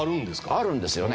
あるんですよね。